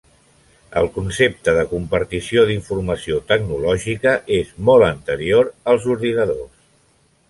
El concepte de compartició d'informació tecnològica és molt anterior als ordinadors.